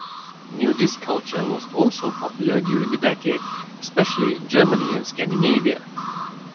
Nudist culture was also popular during the decade, especially in Germany and Scandinavia.